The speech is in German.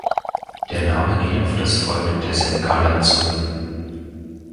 Der Name geht auf das Volk der Semgallen zurück.